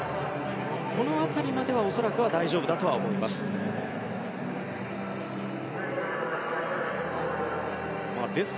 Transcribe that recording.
この辺りまでは大丈夫だとは思います。